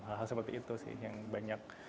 hal hal seperti itu sih yang banyak